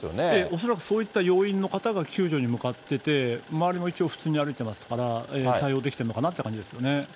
恐らくそういった要員の方が救助に向かってて、周りも一応、普通に歩いてますから、対応できてるのかなって感じですよね。